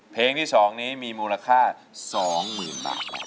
เพลงที่๒นี้มีมูลค่า๒๐๐๐บาท